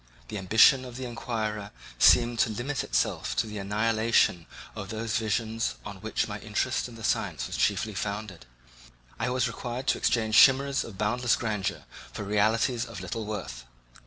The ambition of the inquirer seemed to limit itself to the annihilation of those visions on which my interest in science was chiefly founded. I was required to exchange chimeras of boundless grandeur for realities of little worth.